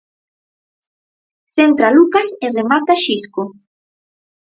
Centra Lucas e remata Xisco.